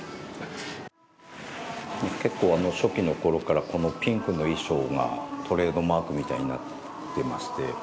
結構初期のころからこのピンクの衣装がトレードマークみたいになっていまして。